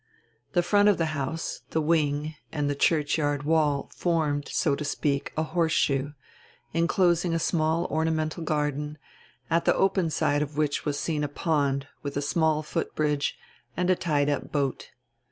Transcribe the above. The front of die house, die wing, and die churchyard wall formed, so to speak, a horseshoe, inclosing a small ornamental garden, at die open side of which was seen a pond, with a small footbridge and a tied up boat.